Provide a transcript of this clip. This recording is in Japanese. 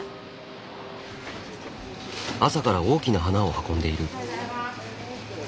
朝から大きな花を運んでいる。